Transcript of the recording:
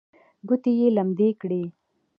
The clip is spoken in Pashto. ګوتې یې لمدې کړې.